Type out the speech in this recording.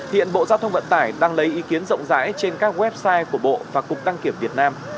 hiện bộ giao thông vận tải đang lấy ý kiến rộng rãi trên các website của bộ và cục đăng kiểm việt nam